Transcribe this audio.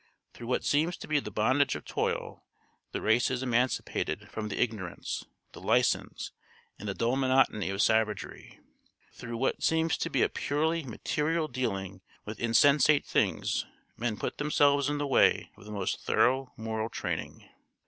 Through what seems to be the bondage of toil the race is emancipated from the ignorance, the licence, and the dull monotony of savagery; through what seems to be a purely material dealing with insensate things men put themselves in the way of the most thorough moral training.